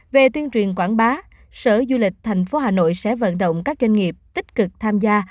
về tuyên truyền quảng bá sở du lịch tp hà nội sẽ vận động các doanh nghiệp tích cực tham gia